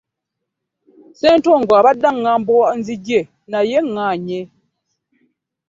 Ssentongo abadde aŋŋamba nzije naye naye ŋŋaanyi.